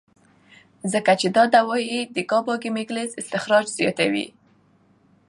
ځکه چې دا دوائي د ګابا کېميکلز اخراج زياتوي